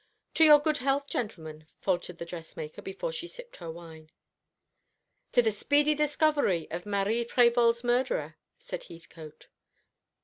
"To your good health, gentlemen," faltered the dressmaker, before she sipped her wine. "To the speedy discovery of Marie Prévol's murderer," said Heathcote.